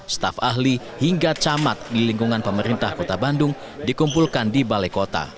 staf ahli hingga camat di lingkungan pemerintah kota bandung dikumpulkan di balai kota